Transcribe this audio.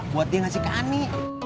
buat dia ngasih ke ani